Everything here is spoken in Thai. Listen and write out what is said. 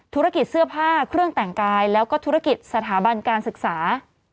ธุรกิจเสื้อผ้าเครื่องแต่งกายแล้วก็ธุรกิจสถาบันการศึกษา